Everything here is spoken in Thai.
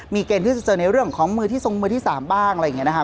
มีเกณฑ์ที่จะเจอในเรื่องของมือที่ทรงมือที่๓บ้างอะไรอย่างนี้นะครับ